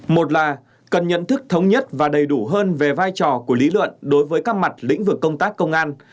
một là cần nhận thức thống nhất và đầy đủ hơn về vai trò của lý luận đối với các mặt lĩnh vực công tác công an